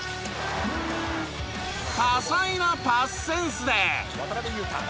多彩なパスセンスで。